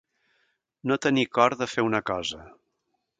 No tenir cor de fer una cosa.